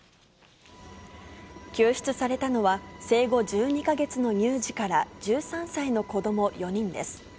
救出されたのは、生後１２か月の乳児から、１３歳の子ども４人です。